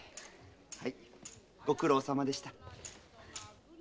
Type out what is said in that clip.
はいご苦労様でした。